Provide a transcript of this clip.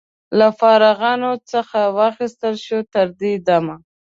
له فارغانو څخه واخیستل شوه. تر دې دمه